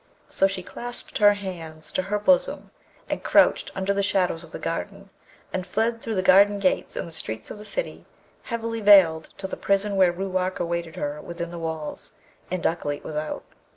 So she clasped her hands to her bosom, and crouched under the shadows of the garden, and fled through the garden gates and the streets of the city, heavily veiled, to the prison where Ruark awaited her within the walls and Ukleet without.